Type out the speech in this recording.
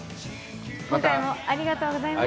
今回もありがとうございました。